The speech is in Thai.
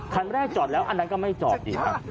คันแรกจอดแล้วอันนั้นก็ไม่จอดอีก